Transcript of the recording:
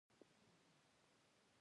ظهري عصبي رشتې له بطني رشتو سره جلا کړئ.